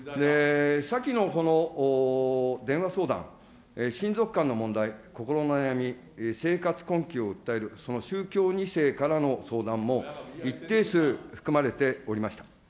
先の電話相談、親族間の問題、心の悩み、生活困窮を訴える、その宗教２世からの相談も、一定数含まれておりました。